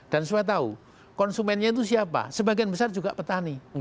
dan saya tahu konsumennya itu siapa sebagian besar juga petani